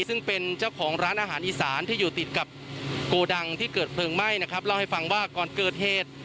ซึ่งเป็นเจ้าของร้านอาหารอีสานที่อยู่ติดกับโกดังที่เกิดเพลิงไหม้นะครับเล่าให้ฟังว่าก่อนเกิดเหตุ